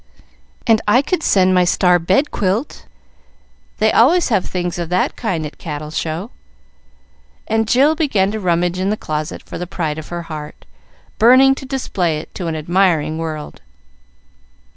"And I could send my star bedquilt! They always have things of that kind at Cattle Show;" and Jill began to rummage in the closet for the pride of her heart, burning to display it to an admiring world.